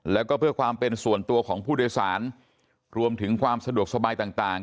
แล้วก็เพื่อความเป็นส่วนตัวของผู้โดยสารรวมถึงความสะดวกสบายต่าง